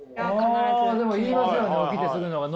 あでも言いますよね。